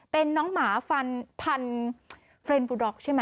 เป็นน้องหมาฟันพันเฟรนบูด็อกใช่ไหม